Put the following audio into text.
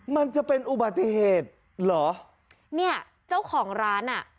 มันจะเป็นอุบัติเหตุเหรอเนี่ยเจ้าของร้านอ่ะ